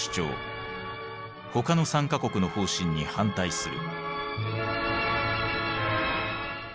他の３か国の方針に反対する。